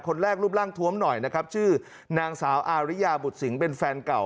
แรกรูปร่างท้วมหน่อยนะครับชื่อนางสาวอาริยาบุตรสิงเป็นแฟนเก่า